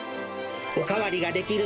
お代わりができる